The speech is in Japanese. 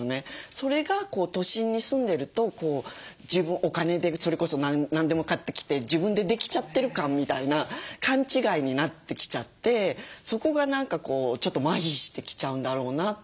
それが都心に住んでるとお金でそれこそ何でも買ってきて自分でできちゃってる感みたいな勘違いになってきちゃってそこが何かちょっとまひしてきちゃうんだろうなっていう。